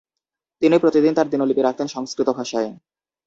তিনি প্রতিদিন তার দিনলিপি রাখতেন সংস্কৃত ভাষায়।